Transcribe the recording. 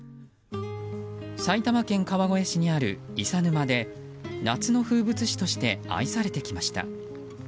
埼玉県川越市にある伊佐沼で夏の風物詩として愛されてきました。